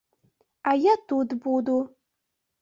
А я тут буду.